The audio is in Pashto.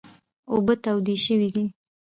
اوبه تودې شوي دي .